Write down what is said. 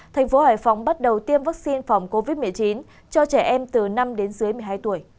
thành phố hải phòng bắt đầu tiêm vaccine phòng covid một mươi chín cho trẻ em từ năm đến dưới một mươi hai tuổi